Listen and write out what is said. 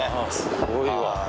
すごいわ。